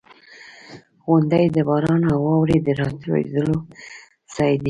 • غونډۍ د باران او واورې د راټولېدو ځای دی.